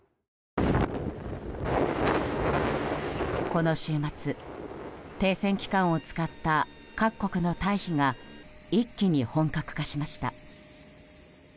この週末、停戦期間を使った各国の退避が一気に本格化しました。